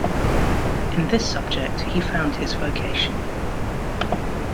In this subject he found his vocation.